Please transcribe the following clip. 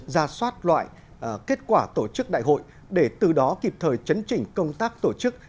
ra soát loại kết quả tổ chức đại hội để từ đó kịp thời chấn chỉnh công tác tổ chức